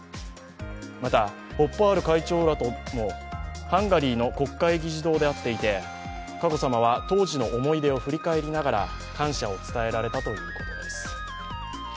また、ホッパール会長らともハンガリーの国会議事堂で会っていて佳子さまは当時の思い出を振り返りながら感謝を伝えられたということです。